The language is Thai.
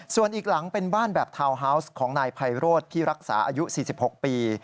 ส่วนอีกหลังเป็นบ้านแบบทาวน์ฮาวส์ของนายไพโรธพิรักษาอายุ๔๖ปี